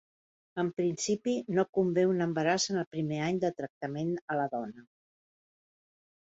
En principi no convé un embaràs en el primer any de tractament a la dona.